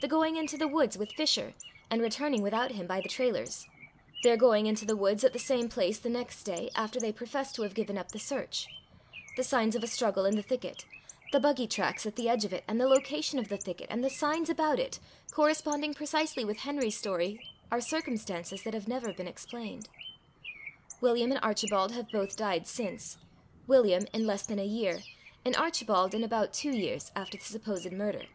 The going into the woods with Fisher, and returning without him, by the Trailors; their going into the woods at the same place the next day, after they professed to have given up the search; the signs of a struggle in the thicket, the buggy tracks at the edge of it; and the location of the thicket, and the signs about it, corresponding precisely with Henry's story, are circumstances that have never been explained. William and Archibald have both died since—William in less than a year, and Archibald in about two years after the supposed murder.